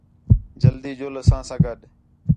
جلدی ڄُل اساں ساں گݙ